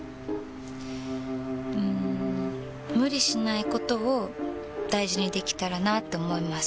うん無理しないことを大事にできたらなって思います。